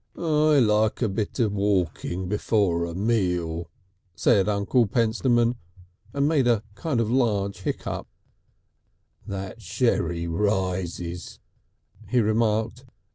"I likes a bit of walking before a meal," said Uncle Pentstemon, and made a kind of large hiccup. "That sherry rises," he remarked.